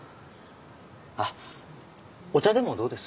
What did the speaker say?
あっお茶でもどうです？